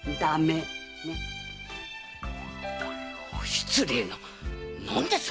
失礼な何です